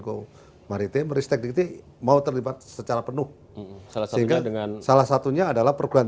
komaritim ristek dikti mau terlibat secara penuh salah satunya dengan salah satunya adalah perguruan